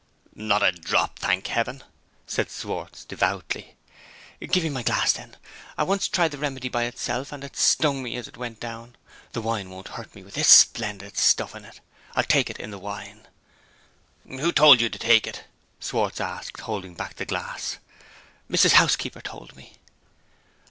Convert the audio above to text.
"Not a drop, thank Heaven!" said Schwartz, devoutly. "Give me my glass, then. I once tried the remedy by itself, and it stung me as it went down. The wine won't hurt me, with this splendid stuff in it. I'll take it in the wine." "Who told you to take it?" Schwartz asked, holding back the glass. "Mrs. Housekeeper told me."